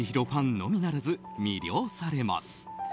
ファンのみならず魅了されます。